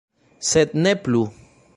Sed ne plu.